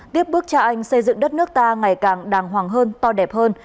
tiếp bước cha anh xây dựng đất nước ta ngày càng đàng hoàng hơn to đẹp hơn